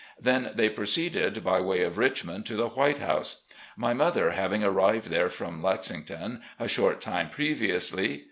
Then they proceeded by way of Richmond to the "White House," my mother having arrived there from Lexington a short time previously.